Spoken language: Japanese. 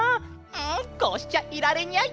うんこうしちゃいられニャイ！